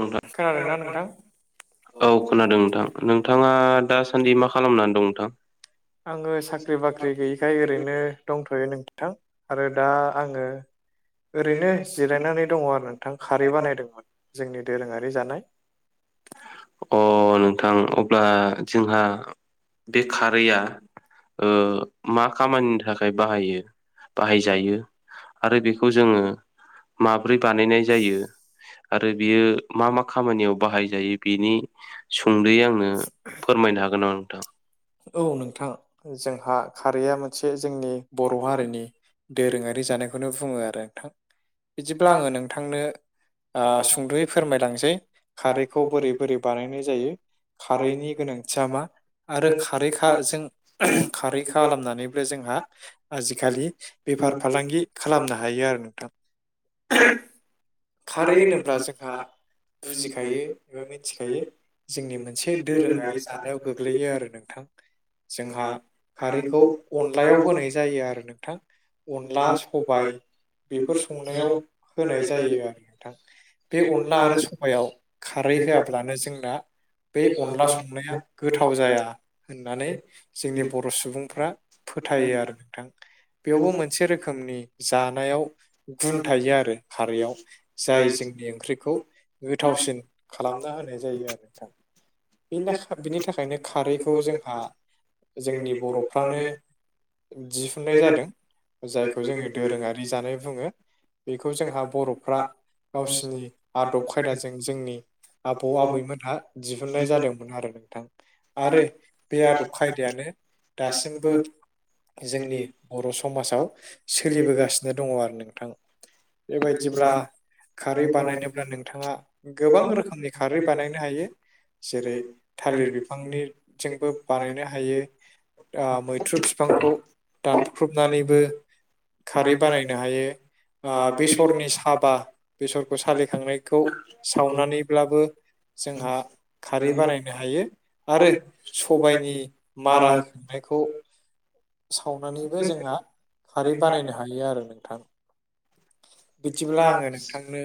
नोंथां खोनादोंना नोंथां? औ खोनादों नोंथां नोंथाङा दासान्दि मा खालामनानै दं नोंथां? आङो साख्रि बाख्रि गैयिखाय ओरैनो दंथ'यो नों थां आरो दा आङो ओरैनो जिरायनानै दङ आरो नोंथां खारै बानायदोंमोन जोंनि दोरोङारि जानाय अ नोंथां अब्ला जोंहा बे खारैया ओ मा खामानिनि थाखाय बाहायो बाहायजायो आरो बेखौ जोङो माब्रै बानायनाय जायो आरो बियो मा मा खामानियाव बाहायजायो बिनि सुंद'यै आंनो फोरमायनो हागोन आरो नोंथां? औ नोंथां जोंहा खारैया मोनसे जोंनि बर' हारिनि दोरोङारि जानायखौनो बुङो आरो नोंथां बिदिब्ला आङो नोंथांनो ओ सुंद'यै फोरमायलांनोसै खारैखौ बोरै बोरै बानायनाय जायो खारैनि गोनांथिया मा आरो खारै खा जों खारै खालामनानैबो जोंहा आजिखालि बेफार फालांगि खालामनो हायो आरो नोंथां। [inaudible] खारै होनोब्ला जोंहा बुजिखायो एबा मिथिखायो। जोंनि मोनसे दोरोङारि जानायाव गोग्लैयो आरो नोंथां। जोंहा खारैखौ अनलायाव होनाय जायो आरो नोंथां। अनला सबाइ बेफोर संनायाव होनाय जायो आ नोंथां बे अनला आरो साबाइयाव खारै होआब्लानो जोंना बे अनला संनाया गोथाव जाया। होननानै जोंनि बर' सुबुंफ्रा फोथायो आरो नोंथां। बेयावबो मोनसे रोखोमनि जानायाव गुन थायो आरो खारैयाव। जाय जोंनि ओंख्रिखौ गोथावसिन खालामना होनाय जायो आरो नोंथां। बिनि दा बिनि थाखायनो खारैखौ जोंहा जोंनि बर'फ्रानो दिहुननाय जादों। जायखौ जोङो दोरोङारि जानाय बुङो बेखौ जोंहा बर'फ्रा गावसिनि आदब खायदाजों जोंनि आबौ आबैमोनहा दिहुननाय जादोंमोन आरो नोंथां। आरो बे आदब खायदायानो दासिमबो जोंनि बर' स समाजाव सोलिबोगासिनो दंङो आरो नोंथां बेबायदिब्ला खारै बानायनोब्ला नोंथांङा गोबां रोखोमनि खारै बानायनो हायो जेरै थालिर बिफांनिजोंबो बानायनो हायो। मैथ्रु बिफांखौ दानख्रबनानैबो खारै बानायनो हायो बेसरनि साबा बेसरखौ सालिखांनायखौ सावनानैब्लाबो जोंहा खारै बानायनो हायो आरो सबायनि मारा संनायखौ सावनानैबो जोंहा खारै बानायनो हायो आरो नोंथां बिदिब्ला आंङो नोंथांनो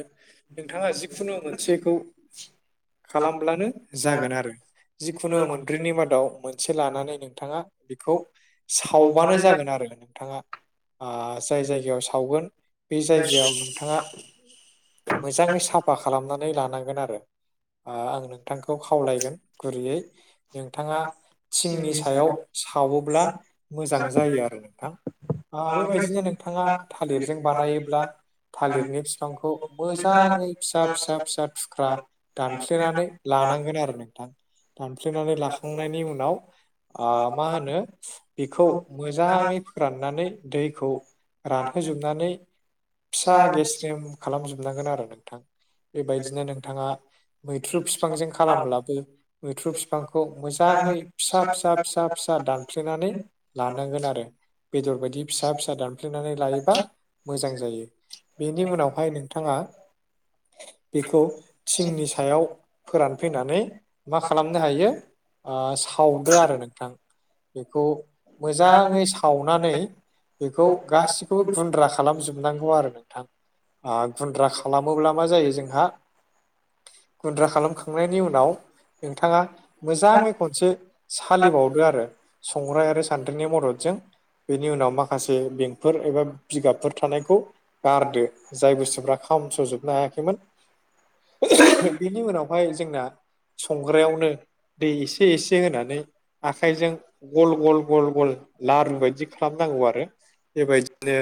नोंथांङा जिखुनु मोनसेखौ खालामब्लानो जागोन आरो जिखुनु मोनब्रैनि मादाव मोनसे लानानै नोंथांङा बेखौ सावबानो जागोन आरो नोंथांङा ओ जाय जायगायाव सावगोन बे जायगायाव नोंथांङा मोजाङै सा फा खालामनानै लानांगोन आरो ओ आं नोंथांखौ खावलायगोन गुरैयै नोंथांङा थिंनि सायाव सावोब्ला मोजां जायो आरो नोंथां आरो बायदिनो नोंथांङा थालिरजों बानायोब्ला थालिरनि बिफांखौ मोजांङै फिसा फिसा फिसा थुख्रा दानफ्लेनानै लानांगोन आरो नोंथां दानफ्लेनानै लाखांनायनि उनाव ओ मा होनो बेखौ मोजांङै फोराननानै दैखौ रानहोजोबनानै फिसा गेस्रेम खालामफिननागोन आरो नोंथां बेबायदिनो नोंथाङा मैथ्रु बिफांजों खालामब्लाबा बै मैथ्रु बिफांखौ मोजांङै फिसा फिसा फिसा फिसा दान फ्लेनानै लानांगोन आरो बेदर बायदि फिसा फिसा दानफ्लेनानै लायोबा मोजां जायो बेनि उनाव आरो नोंथांङा बेखौ थिंनि सायाव फोरानफैनानै मा खालामनो हायो। ओ सावदो आरो नोंथां बेखौ मोजांङै साव नानै बेखौ गासिखौबो गुन्द्रा खालामजोबनांगौ आरो नोंथां ओ गुन्द्रा खालामोब्ला मा जायो जोंहा गुन्द्रा खालामखांनायनि उनाव नोंथांङा मोजांङै खनसे सालिबावदो आरो संग्राय आरो सान्द्रिनि मददजों बेनि उनाव माखासे बेंकफोर एबा बिगाबफोर थानायखौ गारदो जाय बुस्थुफ्रा खामस्र' जोबनो हायाखैमोन बेनि उनावहाय जोंना संग्रायावनो दै एसे एसे होनानै आखाइजों गल गल गल गल लारु बायदि खालामनांगौ आरो बेबायदिनो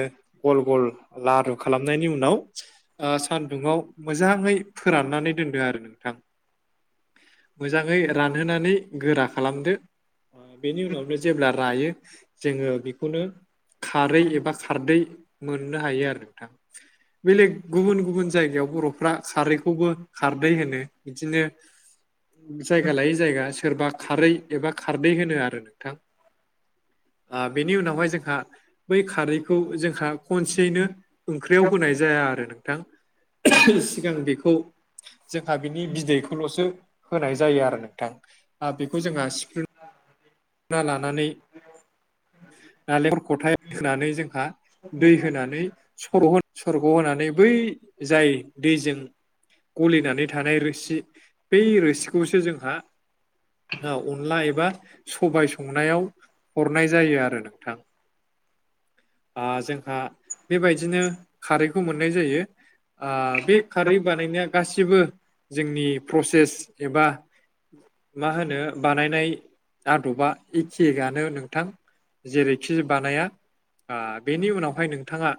गल गल लारु खालाम नायनि उनाव ओ सान्दुंङाव मोजांङै फोराननानै दोनदों आरो नोंथां मोजांङै रानहोनानै गोरा खालामदो। ओ बेनि उनावनो जेब्ला रायो जोंङो बेखौनो खारै एबा खारदै मोननो हायो आरो नोंथां बेलेग गुबुन गुबुन जायगायाव बर'फ्रा खारैखौबो खारदै होनो बिदिनो जायगा लायै जायगा सोरबा खारै एबा खारदै होनो आरो नोंथां ओ बेनि उनावहाय जोंहा बै खारैखौ जोंहा खनसेयैनो ओंख्रियाव होनाय जाया आरो नोंथां सिगां बेखौ जोंहा बिनि बिदैखौल'सो होनाय जायो आरो नोंथां ओ बेखौ जोंहा सिफ्रु ना लानानै नालेंखर खथायाव होनानै जोंहा दै होनानै सर'गोन सरग' होनानै बै जाय दैजों गलिनानै थानाय रोसि बै रोसिखौसो जोंहा अनला एबा सबाइ संनायाव हरनाय जायो आरो नोंथां ओ जोंहा बेबायदिनो खारैखौ मोननाय जायो ओ बे खारै बानायनाया गासिबो जोंनि प्रसेस एबा मा होनो बानायनाय आदबा एखेयानो नोंथां जेरैखि बानाया ओ बेनि उनावहाय नोंथाङा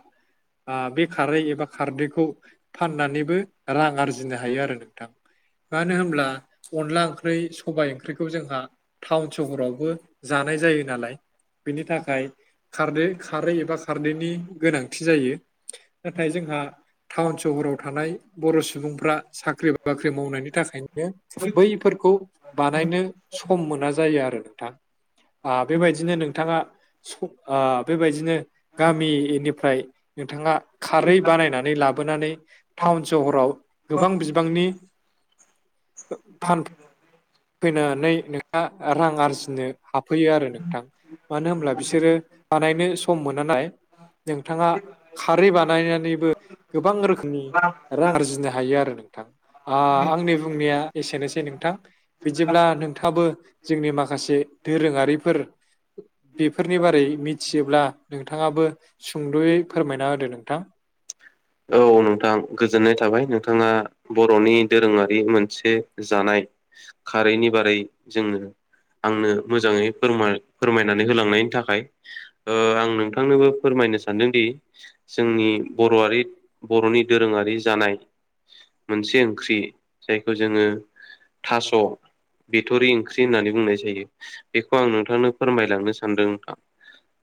ओ बे खारै एबा खारदैखौ फाननानैबो रां आरजिनो हायो आरो नोंथां मानो होनब्ला अनला ओंख्रि सबायाइ ओंख्रिखौ जोंहा टाउन सहरावबो जानाय जायो नालाय बेनि थाखाय खारदै खारै एबा खारदैनि गोनांथि जायो नाथाय जोंहा टाउन सहराव थानाय बर' सुबुंफ्रा साख्रि बाख्रि मावनायनि थाखायनो बैफोरखौ बानायनो सम मोना जायो आरो नोंथां बेबायदिनो नोंथाङा बेबायदिनो गामिनिफ्राय नोंथाङा खारै बानायनानै लाबोनानै टाउन सहराव गोबां बिबांनि आ फैनानै नोंहा रां आरजिनो हाब फैयो आरो नोंथां मानो होनब्ला बिसोरो बानायनो सम मोन नाय नोंथाङा खारै बानायनानैबो गोबां रोखोमनि रां आर्जिनो हायो आरो नोंथां आंनि बुंनाया एसेनोसै नोंथां बिदिब्ला नोंथाबो जोंनि माखासे दोरोङारिफोर बेफोरनि बारै मिथियोब्ला नोंथाङाबो सुंद'यै फोरमायना होदो नोंथां औ नोंथां गोजोननाय थाबाय नोंथाङा बर'नि दोरोङारि मोनसे जानाय खारैनि बारै जोङो आंनो मोजाङै फोर फोरमायनानै होलांनायनि थाखाय आं नों नोंथांनोबो फोरमायनो सानदोंदि जोंनि बर'आारि बर'नि दोरोङारि जानाय मोनसे ओंख्रि जायखौ जोङो थास' बिथ'रि ओंख्रि होननानै बुंनाय जायो बेखौ आं नोंथांनो फोरमायलांनो सानदों नोंथां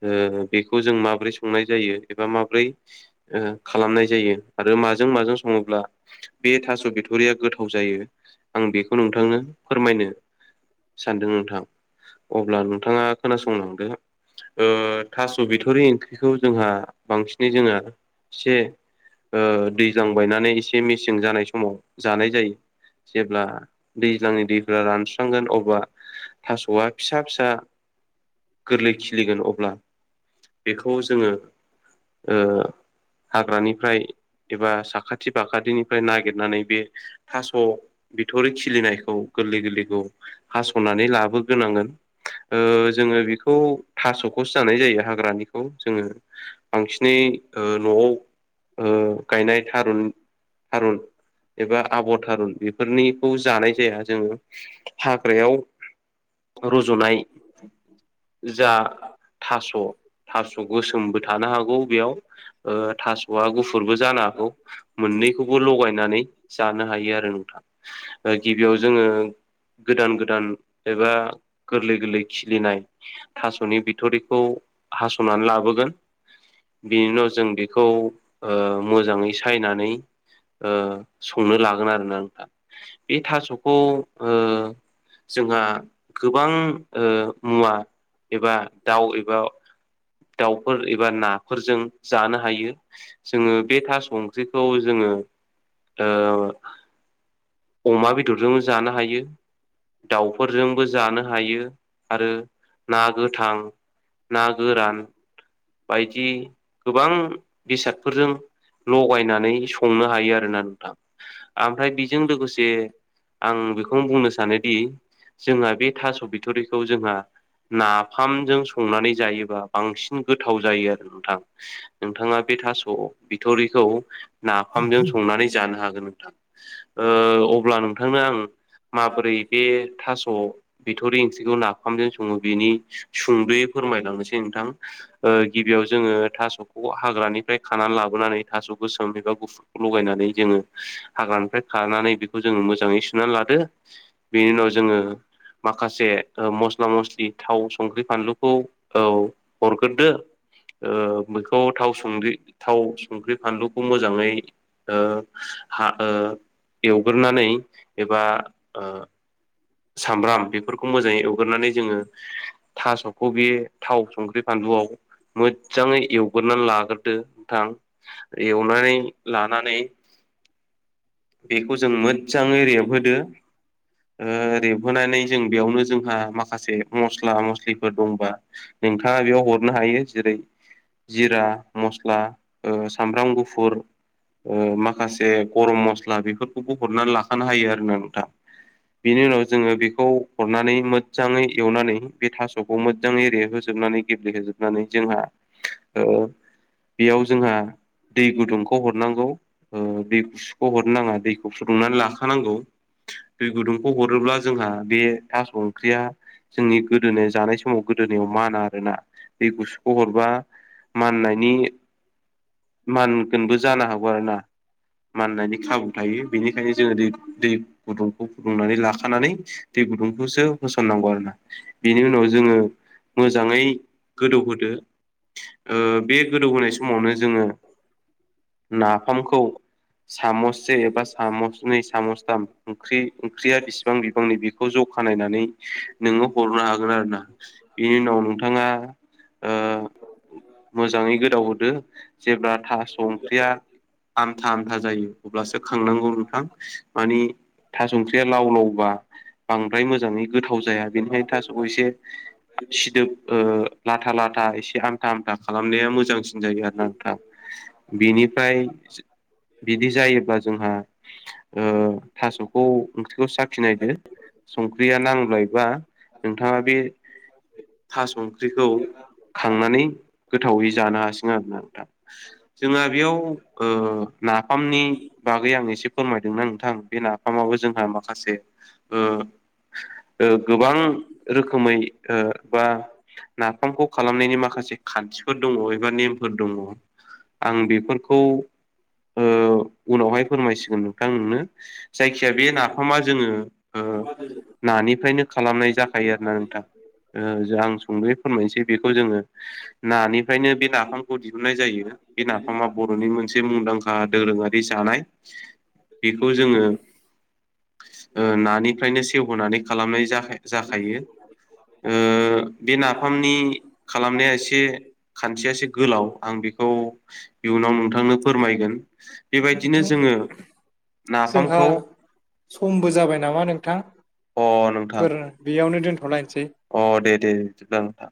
ओ बेखौ जों माबोरै संनाय जायो एबा माबोरै खालामनाय जायो आरो माजों माजों सङोब्ला बे थास' बिथरिया गोथाव जायो आं बेखौ नोंथांनो फोरमायनो सानदों नोंथां अब्ला नोंथाङा खोनासंलांदो ओ थास' बिथ'रि ओंख्रिखौ जोंहा बांसिनै जोङो एसे ओ दैज्लां बायनानै एसे मेसें जानाय समाव जानाय जायो जेब्ला दैज्लांनि दैफ रानस्रांगोन अब्ला थास'आ फिसा फिसा गोरलै खिलिगोन अब्ला बेखौ जोङो हाग्रानिफ्राय एबा साखाथि फाखाथिनिफ्राय नागिरनानै बे थास' बिथरि खिलिनायखौ गोरलै गोरलैखौ हास'नानै लाबोग्रोनांगोन ओ जोङो बेखौ थास'खौसो जानाय जायो हाग्रानिखौ जोङो बांसिनै न'आव गायनाय थारुन थारुन एबा आबर थारुन बेफोरनिखौ जानाय जाया जोङो हाग्रायाव रज'नाय जा थास' थास' गोसोमबो थानो हागौ बेयाव थास'आ गुफुरबो जानो हागौ मोननैखौबो लगायनानै जानो हायो आरो नोंथां गिबियाव जोङो गोदान गोदान एबा गोरलै गोरलै खिलिनाय थास'नि बिथरिखौ हास'नानै लाबोगोन बिनि उनाव जों बेखौ मोजाङै सायनानै ओ संनो लागोन आरोना नोंथां। बे थास'खौ ओ जोंहा गोबां मुवा एबा दाउ एबा दाउफोर एबा नाफोरजों जानो हायो जोङो। बे थास ओंख्रिखौ जोङो ओ अमा बेदरजोंबो जानो हायो। दाउफोरजोंबो जानो हायो आरो ना गोथां ना गोरान। बायदि गोबां बेसादफोरजों लगायनानै संनो हायो आरोना नोंथां ओमफ्राय बेजों लोगोसे आं बेखौनो बुंनो सानोदि जोंहा बे थास' बिथरिखौ जोंहा नाफामजों संनानै जायोबा बांसिन गोथाव जायो आरो नोंथां। नोंथाङा बे थास' बिथरिखौ नाफामजों संनानै जानो हागोन नोंथां। ओ अब्ला नोंथांनो आं माबोरै बे थास' बिथरि ओंख्रिखौ नाफामजों सङो बेनि सुंद'यै फोरमायलांनोसै नोंथां गिबियाव जोङो थास'खौ हाग्रानिफ्राय खानानै लाबोनानै थास' गोसोम एबा गुफुरखौ लगायनानै जोङो हाग्रानिफ्राय खानानै बेखौ जोङ मोजाङै सुनानै लादो बेनि उनाव जोङो माखासे मस्ला मस्लि थाव संख्रि फानलुखौ औ होग्रोदो ओ बेखौ थाव संख्रि थाव संख्रि फानलुखौ मोजाङै एवग्रोनानै एबा सामब्राम बेफोरखौ मोजाङै एवगोरनानै जोङो थास'खौ बियो थाव संख्रि फानलुआव मोजाङै एवगोरानै लाग्रोदो नोंथां। एवनानै लानानै बेखौ जों मोजाङै रेबहोदो रेबहोनानै जों बेयावनो जोंहा माखासे मस्ला मस्लिफोर दंबा नोंथाङा बेयाव हरनो हायो। जेरै जिरा मस्ला सामब्राम गुफुर माखासे गरम मस्ला बेफोरखौबो हरनानै लाखानो हायो आरो ना नोंथां। बेनि उनाव जोङो बेखौ हरनानै मोजाङै एवनानै बे थास'खौ मोजाङै रैहोजोबनानै गेब्लेहोजोबनानै जोंहा बेयाव जोंहा दै गुदुंखौ हरनांगौ। दैखौ सुख' हरनो नाङा दैखौ फुदुंनानै लाखानांगौ दै गुदुं खौ हरोब्ला जोंहा बे थास' ओंख्रिया जोंनि गोदोनि जानाय समाव गोदोनि अमा ना आरोना दै गुसुखौ हरबा माननायनि मानगोनबो जानो हागौ आरो ना। माननायनि खाबु थायो बेनिखायनो जोङो दै दै गुदुंखौ नानै लाखानानै दै गुदुंखौसो होसननांगौ आरो ना। बेनि उनाव जोङो मोजाङै गोदौहोदो। ओ बे गोदौहोनाय समावनो जोङो नाफामखौ सामससे एबा सामसनै सामसथाम ओंख्रि ओंख्रिया बिसिबां बिबांनि बेखौ जखानायनानै नोङो हरनो हागोन आरोना बेनि उनाव नोंथाङा ओ मोजाङै गोदौ होदो। जेब्ला थास' ओंख्रिया आमथा आमथा जायो अब्लासो खांनांगौ नोंथां। माने थास ओंख्रिया लाव लावबा बांद्राय मोजाङै गोथाव जाया बेनिखायनो थासखौ एसे सिदोब लाथा लाथा एसे आमथा आमथा खालामनाया मोजांसिन। जायो आरोना नोंथां। बिनिफ्राय बिदि जायोब्ला जोंहा ओ थास'खौ ओंख्रिखौ साखिनायदो संख्रिया नांलायबा नोंथाङा बे थास ओंख्रिख खांनानै गोथावै जानो हासिगोन आरोना दा जोंहा बेयाव नाफामनि बागै आं एसे फोरमायदोंना नोंथां बे नाफामाबो जोंहा माखासे गोबां रोखोमै बा नाफामखौ खालामनायनि माखासे खान्थिफोर दंङो एबा नेमफोर दंङो आं बेफोरखौ उनावहाय फोरमायसिगोन नोंथां नोंनो जायखिजाया बे नाफामा जोंङो नानिफ्रायनो खालामनाय जाखायो आरो ना नोंथां ओ आं सुंदयै फोरमायनोसै बेखौ जोंङो नानिफ्रायनो बे नाफामखौ दिहुननाय जायो बे नाफामा बर'नि मोनसे जे मुंदांखा दोरोंङारि जानाय बेखौ जोंङो नानिफ्रायनो सेवहोनानै खालामनाय जाखायो ओम बे नाफामनि खालामनाया एसे खानथिया एसे गोलाव आं बेखौ इयुनाव नोंथांनो फोरमायगोन बेबायदिनो जोंङो जोंहा समबो जाबाय नामा अ नोंथां नोंथांफोर बेयावनो दोनथ'लायसै अ दे दे जागोन नोंथां